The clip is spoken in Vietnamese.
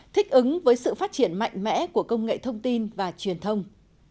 thích ứng với sự phát triển mạnh mẽ của công nghệ thông tin và truyền thông